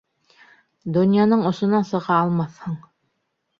Донъяның осона сыға алмаҫһың.